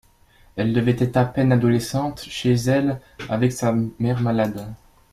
Elle devait être à peine adolescente, chez elle avec sa mère malade.